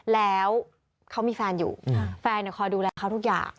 แล้วเขามีแฟนอยู่แฟนคอยดูแลเขาทุกอย่าง